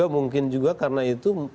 mungkin juga karena itu